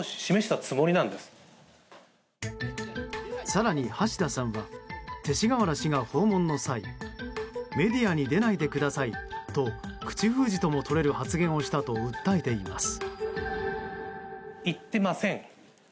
更に、橋田さんは勅使河原氏が訪問の際メディアに出ないでくださいと口封じともとれる発言をしたと訴えています。